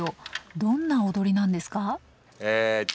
どんな踊りなんですか？